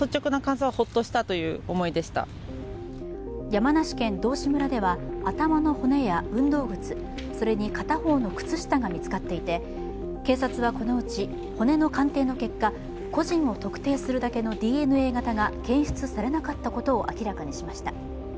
山梨県道志村では頭の骨や運動靴、それに片方の靴下が見つかっていて警察はこのうち、骨の鑑定の結果、個人を特定するだけのＤＮＡ型が検出されなかったことを明らかにしました。